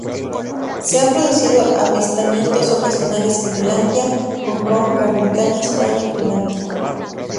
Se han producido avistamientos ocasionales en Groenlandia, Hong Kong, Gran Bretaña, España y Finlandia.